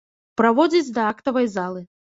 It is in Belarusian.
Праводзіць да актавай залы.